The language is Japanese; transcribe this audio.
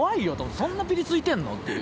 そんなピリついてんの？っていう。